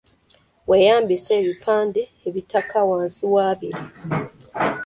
Weeyambise ebipande ebitakka wansi w’abiri.